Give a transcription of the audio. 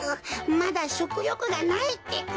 まだしょくよくがないってか。